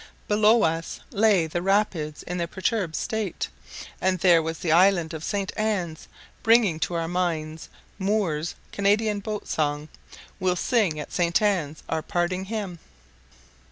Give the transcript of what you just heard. Below us lay the rapids in their perturbed state, and there was the island of St. Anne's, bringing to our minds Moore's Canadian boat song: "We'll sing at Saint Anne's our parting hymn."